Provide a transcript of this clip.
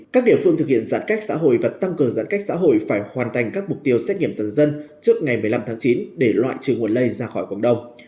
các địa phương thực hiện giãn cách xã hội và tăng cường giãn cách xã hội phải hoàn thành các mục tiêu xét nghiệm tầng dân trước ngày một mươi năm tháng chín để loại trừ nguồn lây ra khỏi cộng đồng